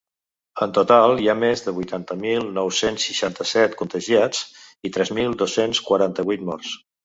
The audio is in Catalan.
En total hi ha més de vuitanta mil nou-cents seixanta-set contagiats i tres mil dos-cents quaranta-vuit morts.